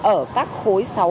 ở các môn thi lịch sử chín